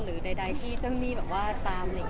หรือใดที่เจ้าหนี้แบบว่าตาม